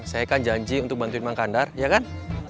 saya kan janji untuk bantuin bang kandar ya kan